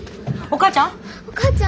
お母ちゃん。